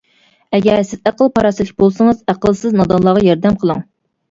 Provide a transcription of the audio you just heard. ئەگەر، سىز ئەقىل-پاراسەتلىك بولسىڭىز، ئەقىلسىز، نادانلارغا ياردەم قىلىڭ.